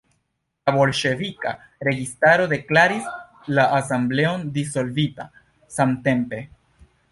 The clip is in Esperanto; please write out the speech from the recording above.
La bolŝevika registaro deklaris la Asembleon dissolvita samtempe.